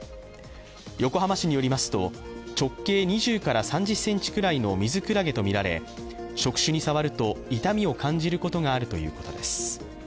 横浜市によりますと、直径２０から３０ｃｍくらいのミズクラゲとみられ触手に触ると痛みを感じることがあるということです。